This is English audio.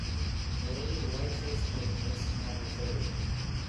A lady in white face paint waits to have her photo taken.